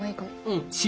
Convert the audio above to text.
うん。